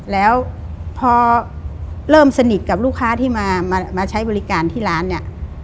แล้วพอเริ่มสนิทกับลูกค้าที่มาใช้บริการที่ร้านเนี่ย